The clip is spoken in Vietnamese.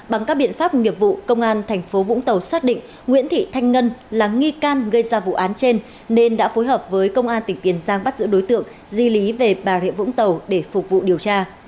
bằng các biện pháp nghiệp vụ công an thành phố vũng tàu xác định nguyễn thị thanh ngân là nghi can gây ra vụ án trên nên đã phối hợp với công an tỉnh tiền giang bắt giữ đối tượng di lý về bà rịa vũng tàu để phục vụ điều tra